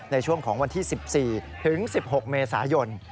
ในช่วงของวันที่๑๔ถึง๑๖เมษายน